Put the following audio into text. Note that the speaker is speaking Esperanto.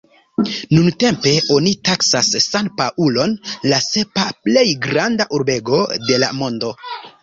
Nuntempe oni taksas San-Paŭlon la sepa plej granda urbego de la mondo.